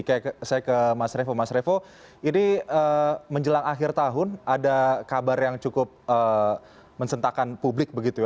kayak saya ke mas revo mas revo ini menjelang akhir tahun ada kabar yang cukup mensentakan publik begitu ya